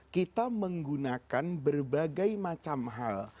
kita menggunakan berbagai macam hal